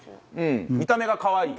見た目かわいい。